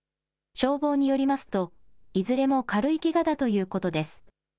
消防によりますと、いずれも軽いけがだということです。